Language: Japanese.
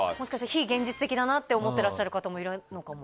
非現実的だなって思ってらっしゃる方も何なの？